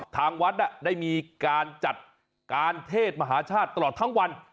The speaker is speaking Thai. ทางวัดได้มีการจัดการเทศมหาชาติตลอดทั้งวัน